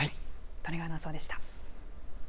利根川アナウンサーでした。